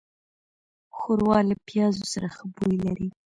ښوروا له پيازو سره ښه بوی لري.